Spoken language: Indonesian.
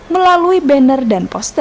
melalui banner dan post